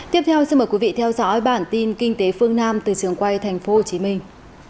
tiếp theo xin mời quý vị theo dõi bản tin kinh tế phương nam từ xướng quay thành phố hồ chí minh